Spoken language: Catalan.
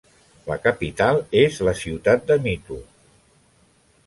La capital és la ciutat de Mito.